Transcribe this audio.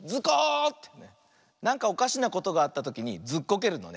なんかおかしなことがあったときにずっこけるのね。